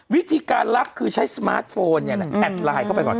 วิธีการรับคือใช้สมาร์ทโฟนแอดไลน์เข้าไปก่อน